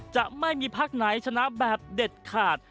จะไม่มีพักไหนชนะแบบเด็ดขาด